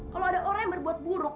kalau ada orang yang berbuat buruk